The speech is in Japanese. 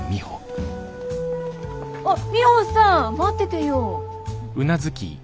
あっミホさん待っててよ。